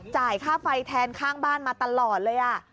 จ่ายค่าไฟแทนข้างบ้านมาตลอดเลย